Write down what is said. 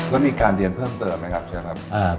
แล้วมีการเรียนเพิ่มเติมไหมครับเชฟครับ